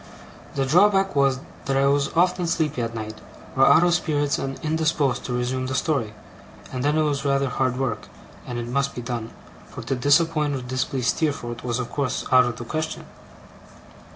The drawback was, that I was often sleepy at night, or out of spirits and indisposed to resume the story; and then it was rather hard work, and it must be done; for to disappoint or to displease Steerforth was of course out of the question.